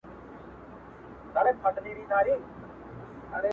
بیا ولي د صف په اخیر کی پاته یوو